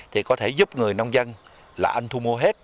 thì có thể giúp người nông dân là anh thu mua hết